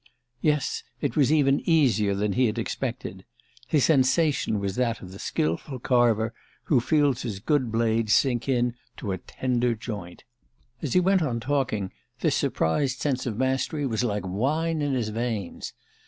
Yes, it was even easier than he had expected. His sensation was that of the skilful carver who feels his good blade sink into a tender joint. As he went on talking, this surprised sense of mastery was like wine in his veins.